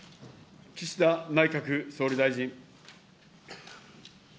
岸田内閣総理大臣。